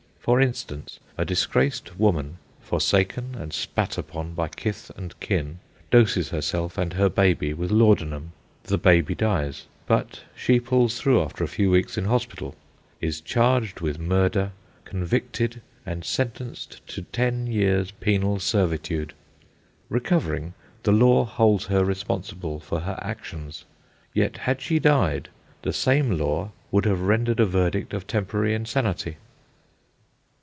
For instance, a disgraced woman, forsaken and spat upon by kith and kin, doses herself and her baby with laudanum. The baby dies; but she pulls through after a few weeks in hospital, is charged with murder, convicted, and sentenced to ten years' penal servitude. Recovering, the Law holds her responsible for her actions; yet, had she died, the same Law would have rendered a verdict of temporary insanity.